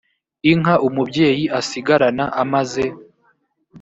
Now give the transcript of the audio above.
inka umubyeyi asigarana amaze